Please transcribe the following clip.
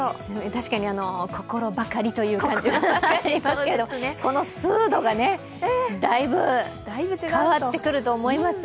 確かに心ばかりという感じはしますけど、この数度が、だいぶ変わってくると思います。